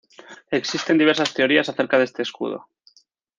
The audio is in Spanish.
Existen diversas teorías acerca de este escudo.